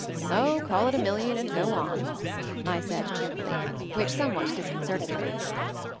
"Oh, call it a million, and go on," I said cheerfully; which somewhat disconcerted her.